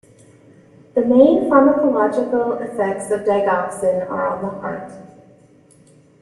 The main pharmacological effects of digoxin are on the heart.